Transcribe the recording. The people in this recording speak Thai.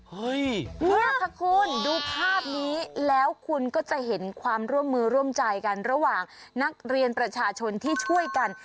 เนี่ยค่ะคุณดูภาพนี้แล้วคุณก็จะเห็นความร่วมมือร่วมใจกันระหว่างนักเรียนประชาชนที่ช่วยกัน